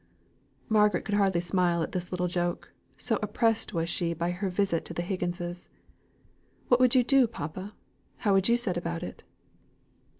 Margaret could hardly smile at this little joke, so oppressed was she by her visit to the Higginses. "What would you do, papa? How would you set about it?"